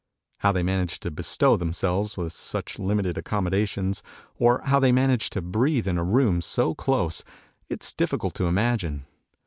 How they manage to bestow themselves with such limited accommodations, or how they manage to breathe in a room so close, it is difficult to imagine.